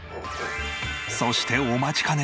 そしてお待ちかね！